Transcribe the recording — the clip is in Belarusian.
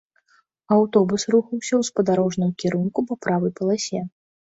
Аўтобус рухаўся ў спадарожным кірунку па правай паласе.